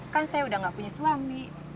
kan saya udah gak punya suami